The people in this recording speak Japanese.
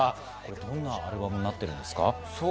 どんなアルバムになっているんですか？